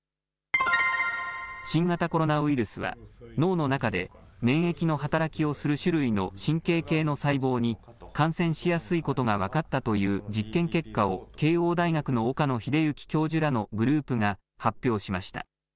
新型コロナウイルスは、脳の中で免疫の働きをする種類の神経系の細胞に感染しやすいことが分かったという実験結果を、慶応大学の岡野栄之教授らのグループが発表しました。